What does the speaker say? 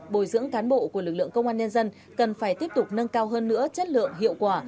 bồi dưỡng cán bộ của lực lượng công an nhân dân cần phải tiếp tục nâng cao hơn nữa chất lượng hiệu quả